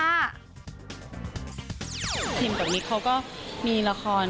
แคม่และมิ๊กเค้าก็มีละคร